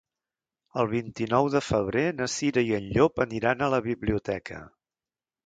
El vint-i-nou de febrer na Cira i en Llop aniran a la biblioteca.